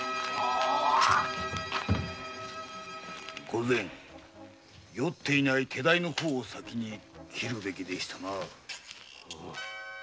御前酔っていない手代を先に切るべきでしたな。